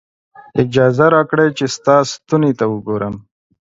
اجازه راکړئ چې ستا ستوني ته وګورم.